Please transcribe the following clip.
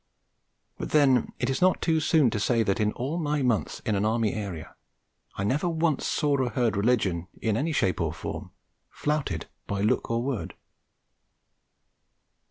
But then it is not too soon to say that in all my months in an Army area I never once saw or heard Religion, in any shape or form, flouted by look or word.